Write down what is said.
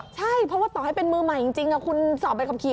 ใช่เพราะว่าต่อให้เป็นมือใหม่จริงคุณสอบใบขับขี่